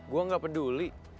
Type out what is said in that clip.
gue gak peduli